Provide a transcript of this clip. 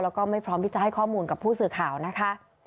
แล้วก็ไม่พร้อมที่จะให้ข้อมูลกับผู้สื่อข่าวนะคะ